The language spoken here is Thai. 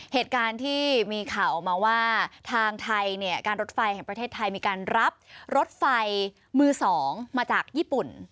เหตุการณ์ที่มีข่าวออกมาว่าทางไทยเนี่ยการรถไฟแห่งประเทศไทยมีการรับรถไฟมือ๒มาจากญี่ปุ่น